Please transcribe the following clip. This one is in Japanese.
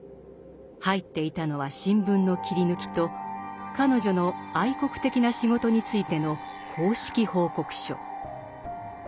入っていたのは新聞の切り抜きと彼女の「愛国的な仕事」についての公式報告書。